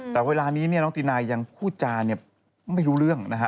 แต่เวลานี้เนี่ยน้องตินายยังพูดจาเนี่ยไม่รู้เรื่องนะฮะ